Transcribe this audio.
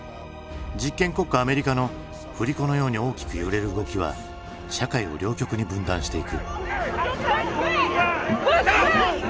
実験国家アメリカの振り子のように大きく揺れる動きは社会を両極に分断していく。